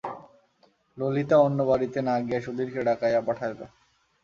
ললিতা অন্য বাড়িতে না গিয়া সুধীরকে ডাকাইয়া পাঠাইল।